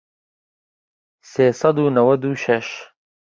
سێ سەد و نەوەت و شەش